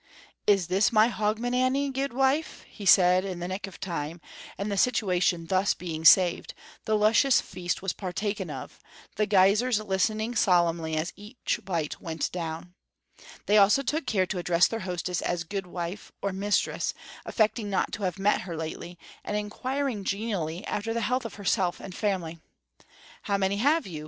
"Is this my Hogmanay, guidwife?" he asked in the nick of time, and the situation thus being saved, the luscious feast was partaken of, the guisers listening solemnly as each bite went down. They also took care to address their hostess as "guidwife" or "mistress," affecting not to have met her lately, and inquiring genially after the health of herself and family. "How many have you?"